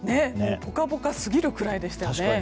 ポカポカすぎるくらいでしたよね。